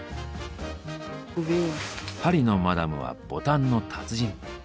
パリのマダムはボタンの達人。